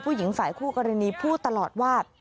ฝ่ายหญิงฝ่ายคู่กรณีพูดตลอดว่า